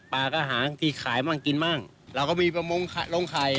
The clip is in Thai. ปลาก็หางที่ขายบ้างกินบ้างแถมน้ำล้างพูดแต่ทำไมเหรอ